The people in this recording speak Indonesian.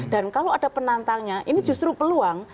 dan kalau ada penantangnya ini justru peluang